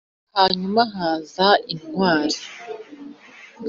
hanyuma haza intwari